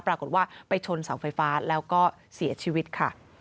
ปรากฏว่าไปชนเสาไฟฟ้าแล้วก็เสียชีวิตค่ะ